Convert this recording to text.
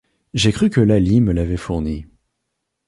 J'ai cru que Laly me l'avait fournie.